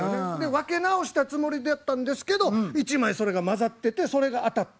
「分け直したつもりだったんですけど１枚それがまざっててそれが当たった。